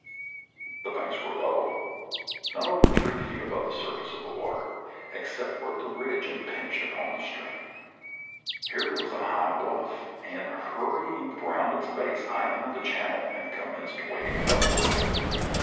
The banks were low, not over three feet above the surface of the water, except where the ridge impinged upon the stream. Here there was a high bluff; and, hurrying round its base, I entered the channel, and commenced wading upward.